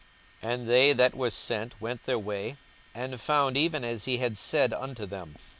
42:019:032 And they that were sent went their way, and found even as he had said unto them.